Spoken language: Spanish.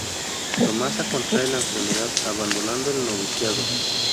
Tomasa contrae la enfermedad, abandonando el noviciado.